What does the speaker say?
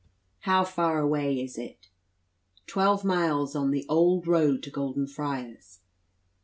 "How far away is it?" "Twelve miles on the old road to Golden Friars."